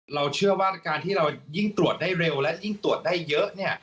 เราเชื่อว่าการที่เรายิ่งตรวจได้เร็วและยิ่งตรวจได้เยอะเนี่ย